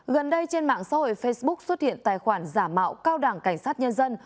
gần đây trên mạng xã hội facebook xuất hiện tài khoản giả mạo cao đảng cảnh sát nhân dân